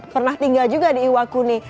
pernah tinggal juga di iwakuni